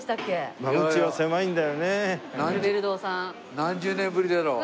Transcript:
何十年ぶりだろう？